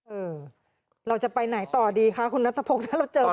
เออเราจะไปไหนต่อดีคะคุณนัทพงศ์ถ้าเราเจอ